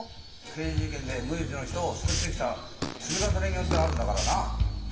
刑事事件で無実の人を救ってきた積み重ねによってあるんだからな。